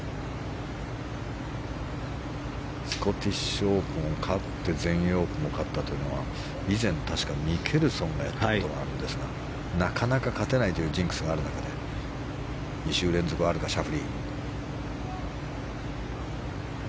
スコティッシュオープンを勝って全英オープンも勝ったというのは以前、確かミケルソンがやったことがあるんですがなかなか勝てないというジンクスがある中で２週連続はあるか、シャフリー。